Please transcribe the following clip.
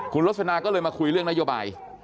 คุณลสนาก็เลยมาคุยเรื่องนโยบาย